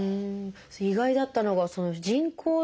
意外だったのが人工のね